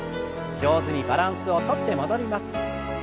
上手にバランスをとって戻ります。